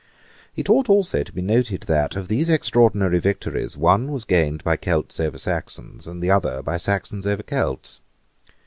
It ought also to be noted that, of these extraordinary victories, one was gained by Celts over Saxons, and the other by Saxons over Celts.